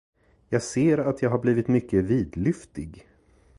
Jag ser att jag blivit mycket vidlyftig.